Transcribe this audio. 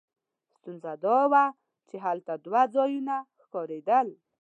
ستونزه دا وه چې هلته دوه ځایونه ښکارېدل.